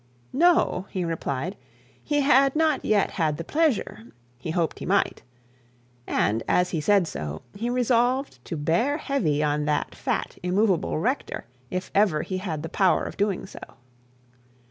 'No,' he replied; he had not yet had the pleasure; he hoped he might; and, as he said so, he resolved to bear heavy on that fat, immoveable rector, if ever he had the power of doing so.